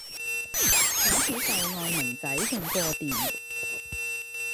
想起舊愛明仔還過電